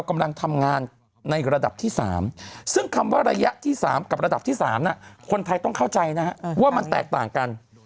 กำลังทำงานในระดับที่๓ซึ่งคำว่าระยะที่๓กับระดับที่๓คนไทยต้องเข้าใจนะฮะว่ามันแตกต่างกัน